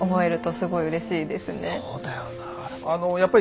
そうだよな。